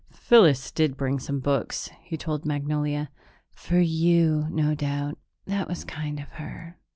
"Phyllis did bring some books," he told Magnolia. "For you, no doubt. That was kind of her.